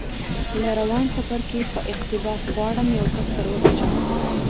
له روان څپرکي په اقتباس غواړم یو کس در وپېژنم